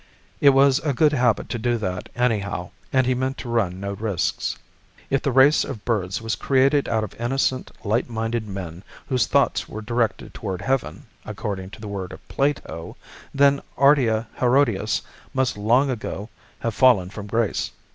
It was a good habit to do that, anyhow, and he meant to run no risks. If "the race of birds was created out of innocent, light minded men, whose thoughts were directed toward heaven," according to the word of Plato, then Ardea herodias must long ago have fallen from grace.